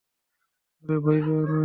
আরে, ভয় পেও না।